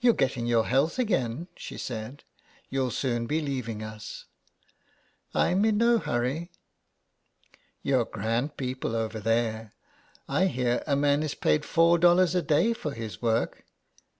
163 HOME SICKNESS. '' You're getting your health again," she said. You'll soon be leaving us.'' ^' I'm in no hurry." You're grand people over there ; I hear a man is paid four dollars a day for his work."